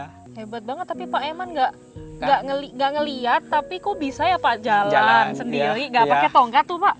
hebat banget tapi pak eman gak ngeliat tapi kok bisa ya pak jalan sendiri gak pakai tongkat tuh pak